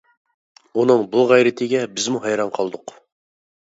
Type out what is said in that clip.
ئۇنىڭ بۇ غەيرىتىگە بىزمۇ ھەيران قالدۇق.